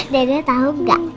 dede tau gak